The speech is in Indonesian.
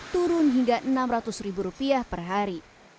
turun hingga rp enam ratus ribu per hari